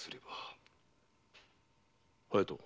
隼人。